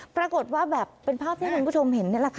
ปรากฏว่าแบบเป็นภาพที่คุณผู้ชมเห็น